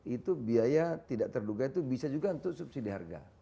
itu biaya tidak terduga itu bisa juga untuk subsidi harga